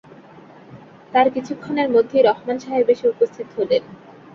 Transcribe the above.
তার কিছুক্ষণের মধ্যেই রহমান সাহেব এসে উপস্থিত হলেন।